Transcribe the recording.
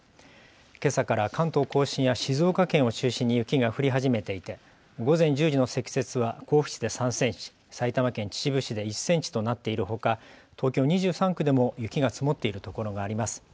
今朝から関東・甲信や静岡県を中心に雪が降り始めていて午前１０時の積雪は甲府市で３ｃｍ埼玉県秩父市で１ｃｍとなっているほか東京２３区でも雪が積もっているところがあります。